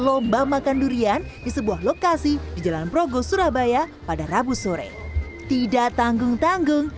lomba makan durian di sebuah lokasi di jalan progo surabaya pada rabu sore tidak tanggung tanggung